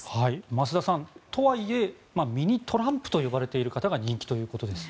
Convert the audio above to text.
増田さん、とはいえミニ・トランプと呼ばれている方が人気ということです。